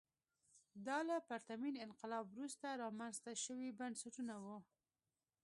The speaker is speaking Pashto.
دا له پرتمین انقلاب وروسته رامنځته شوي بنسټونه وو.